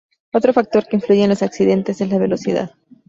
Otro factor que influye en los accidentes es la velocidad.